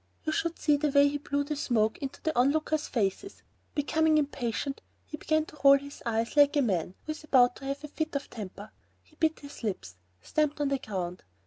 You should see the way he blew the smoke into the onlookers' faces! Becoming impatient, he began to roll his eyes like a man who is about to have a fit of temper. He bit his lips, and stamped on the ground.